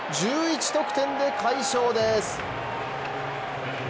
１１得点で快勝です。